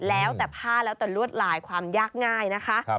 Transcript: แล้วแต่ผ้าแล้วแต่ลวดลายความยากง่ายนะคะ